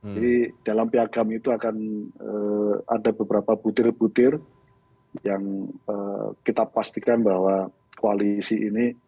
jadi dalam piagam itu akan ada beberapa butir butir yang kita pastikan bahwa koalisi ini